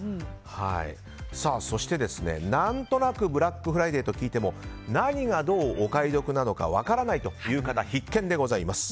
そして、何となくブラックフライデーと聞いても何がどうお買い得なのか分からないという方必見です。